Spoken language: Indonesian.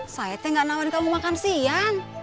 saya teh gak nawarin kamu makan siang